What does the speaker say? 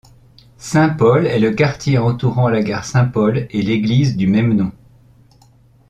Saint-Paul est le quartier entourant la gare Saint-Paul et l'église du même nom.